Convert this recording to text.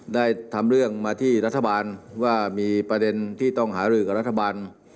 ได้ทำเรื่องมาที่รัฐบาลว่ามีประเด็นที่ต้องหารือกับรัฐบาล